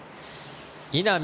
稲見